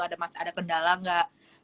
ada mas ada kendala nggak